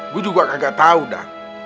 gua juga kagak tau da